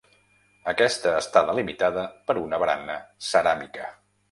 Aquesta està delimitada per una barana ceràmica.